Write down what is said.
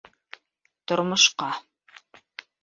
Тормошҡа...